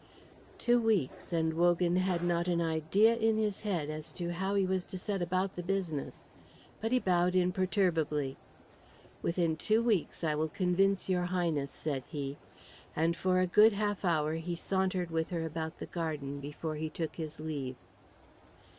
Two weeks, and Wogan had not an idea in his head as to how he was to set about the business. But he bowed imperturbably. "Within two weeks I will convince your Highness," said he, and for a good half hour he sauntered with her about the garden before he took his leave.